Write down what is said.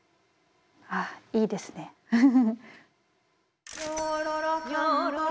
あいいですねウフフ。